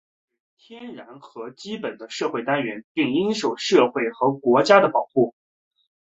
家庭是天然的和基本的社会单元,并应受社会和国家的保护。